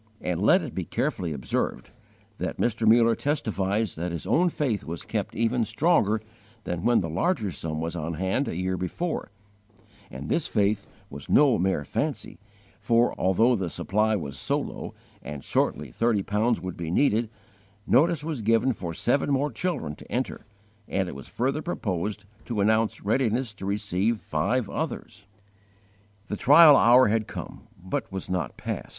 And let it be carefully observed that Mr. Muller testifies that his own faith was kept even stronger than when the larger sum was on hand a year before; and this faith was no mere fancy, for, although the supply was so low and shortly thirty pounds would be needed, notice was given for seven more children to enter, and it was further proposed to announce readiness to receive five others! The trial hour had come, but was not past.